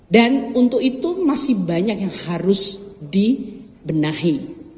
dan untuk itu masih banyak yang harus dibenahi